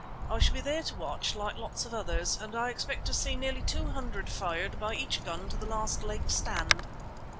I shall be there to watch, like lots of others, and I expect to see nearly two hundred fired by each gun at the last Lake stand."